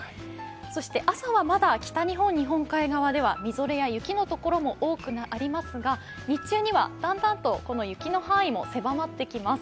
そして、朝はまだ北日本日本海側ではみぞれや雪のところも多くありますが、日中にはだんだんと雪の範囲も狭まってきます。